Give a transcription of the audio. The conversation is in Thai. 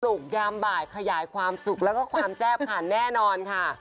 กยามบ่ายขยายความสุขแล้วก็ความแซ่บผ่านแน่นอนค่ะ